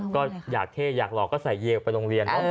ก็อยากเทอยากหลอกก็ใส่เยลไปโรงเรียน